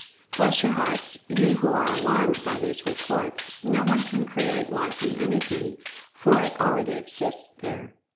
Bless your hearts, you who are alarmed by these reports—no one can "create" life in anything, for it already exists there.